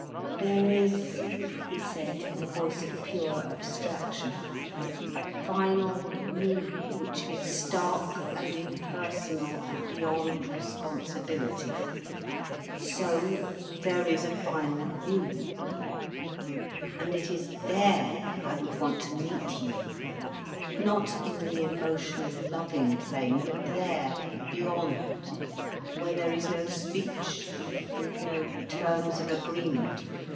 "There is," he said, in a voice of pure abstraction; "a final me which is stark and impersonal and beyond responsibility. So there is a final you. And it is there I would want to meet you—not in the emotional, loving plane—but there beyond, where there is no speech and no terms of agreement.